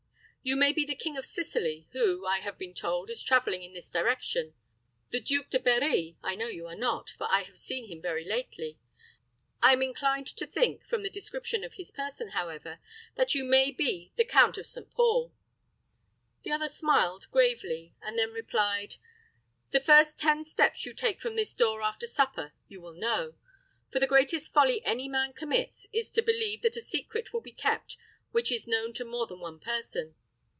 You may be the King of Sicily, who, I have been told, is traveling in this direction. The Duke de Berri, I know you are not; for I have seen him very lately. I am inclined to think, from the description of his person, however, that you may be the Count of St. Paul." The other smiled, gravely, and then replied, "The first ten steps you take from this door after supper, you will know; for the greatest folly any man commits, is to believe that a secret will be kept which is known to more than one person.